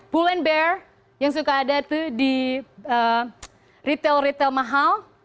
pull and bear yang suka ada di retail retail mahal